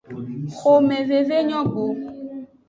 Xomeveve nyo go.